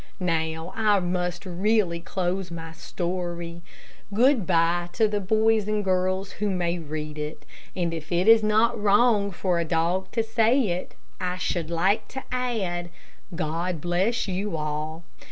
Now, I must really close my story. Good bye to the boys and girls who may read it; and if it is not wrong for a dog to say it, I should like to add, "God bless you all."